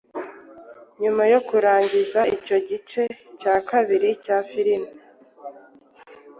Nyuma yo kurangiza icyo gice cya kabiri cya filimi,